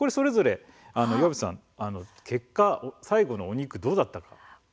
それぞれ岩渕さん、結果最後の肉どうだったと思いますか。